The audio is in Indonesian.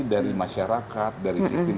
dari masyarakat dari sistem